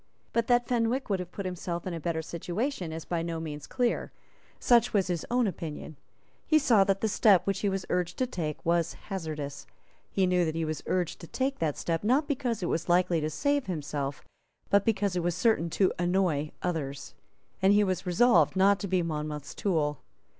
But that Fenwick would have put himself in a better situation is by no means clear. Such was his own opinion. He saw that the step which he was urged to take was hazardous. He knew that he was urged to take that step, not because it was likely to save himself, but because it was certain to annoy others; and he was resolved not to be Monmouth's tool.